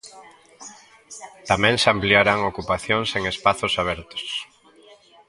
Tamén se ampliarán ocupacións en espazos abertos.